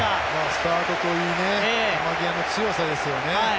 スタートといい、球際の強さですよね。